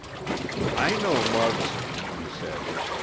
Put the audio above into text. "I know, Muggs," he said.